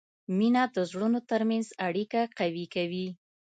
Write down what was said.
مینه د زړونو ترمنځ اړیکه قوي کوي.